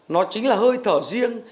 nó chính là hơi thở riêng